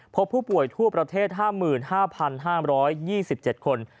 พบผู้ป่วยทั่วประเทศ๕๕๒๗คน